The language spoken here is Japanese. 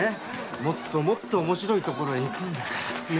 もっともっとおもしろい所へ行くんだから。